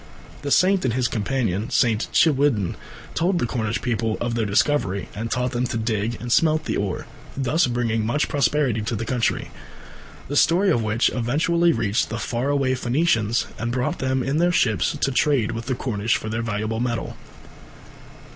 The saint and his companion, St. Chiwidden, told the Cornish people of their discovery, and taught them to dig and smelt the ore, thus bringing much prosperity to the country, the story of which eventually reached the far away Phoenicians and brought them in their ships to trade with the Cornish for their valuable metal.